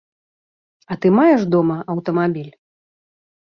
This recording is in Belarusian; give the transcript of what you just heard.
А ты маеш дома аўтамабіль?